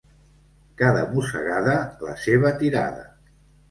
Cada mossegada, la seva tirada.